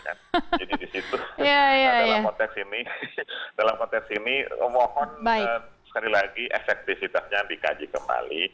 jadi di situ dalam konteks ini mohon sekali lagi efektivitasnya dikaji kembali